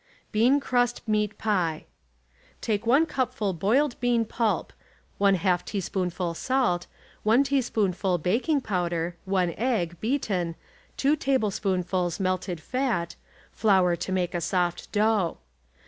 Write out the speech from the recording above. BEAN CRUST MEAT PIE— Take one cupful boiled bean pulp; 1/2 teaspoonful salt; 1 teaspoonful baking powder; 1 egg, beaten; 2 tablespoonfuls melted fat; flour to make a soft dough.